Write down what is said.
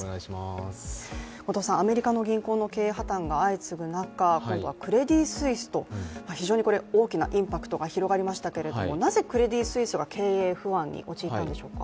アメリカの銀行の経営破綻が相次ぐ中今度はクレディ・スイスと、非常に大きなインパクトが広がりましたけれども、なぜクレディ・スイスが経営不安に陥ったんでしょうか。